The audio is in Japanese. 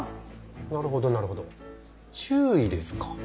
なるほどなるほど注意ですか。